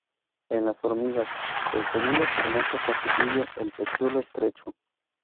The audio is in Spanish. En las hormigas el segundo segmento constituye el pecíolo estrecho.